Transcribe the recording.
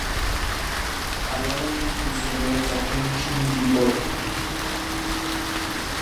V parlamentu působil v zahraničním výboru.